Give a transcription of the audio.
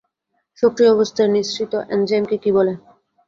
সক্রিয় অবস্থায় নিঃসৃত এনজাইমকে কী বলে?